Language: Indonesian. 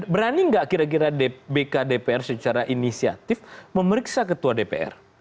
berani nggak kira kira bkdpr secara inisiatif memeriksa ketua dpr